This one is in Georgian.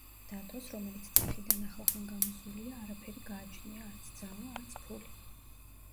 დათოს, რომელიც ციხიდან ახლახან გამოსულია, არაფერი გააჩნია, არც ძალა, არც ფული.